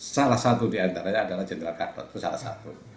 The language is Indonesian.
salah satu di antaranya adalah jenderal kak patu salah satu